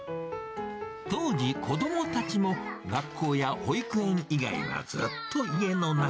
当時、子どもたちも学校や保育園以外はずっと家の中。